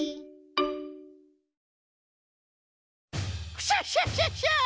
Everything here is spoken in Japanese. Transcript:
クシャシャシャシャ！